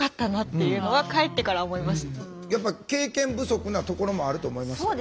やっぱ経験不足なところもあると思いますよ。